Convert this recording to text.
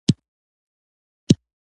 هغوی په ډاډه زړه کاروبار پر مخ وړي.